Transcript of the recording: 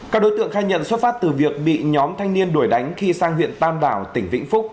các đối tượng khai nhận xuất phát từ việc bị nhóm thanh niên đuổi đánh khi sang huyện tam đảo tỉnh vĩnh phúc